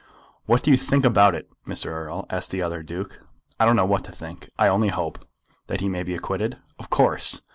"What do you think about it, Mr. Erle?" asked the other Duke. "I don't know what to think; I only hope." "That he may be acquitted?" "Of course."